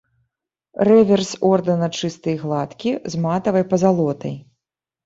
Рэверс ордэна чысты і гладкі, з матавай пазалотай.